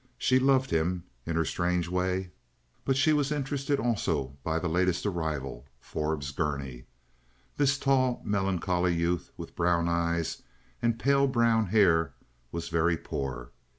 She loved him in her strange way; but she was interested also by the latest arrival, Forbes Gurney. This tall, melancholy youth, with brown eyes and pale brown hair, was very poor.